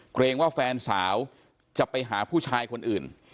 เกรงว่าแฟนสาวจะไปหาผู้ชายคนอื่น